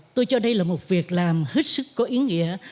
tôi cho đây là một việc làm hết sức có ý nghĩa